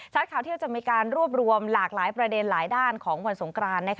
ข่าวเที่ยงจะมีการรวบรวมหลากหลายประเด็นหลายด้านของวันสงคราน